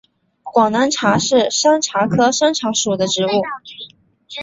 广南茶是山茶科山茶属的植物。